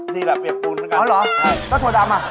ที่แบบเปียกปูนเหมือนกันอ๋อเหรอแล้วถั่วดำมัน